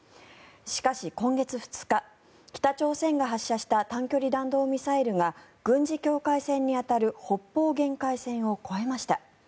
しかし、今月２日北朝鮮が発射した短距離弾道ミサイルが軍事境界線に当たる北方限界線を越えました。